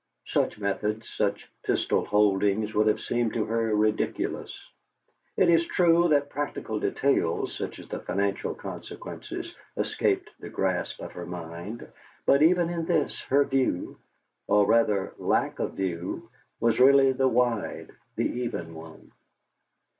Such methods, such pistol holdings, would have seemed to her ridiculous. It is true that practical details, such as the financial consequences, escaped the grasp of her mind, but even in this, her view, or rather lack of view, was really the wide, the even one.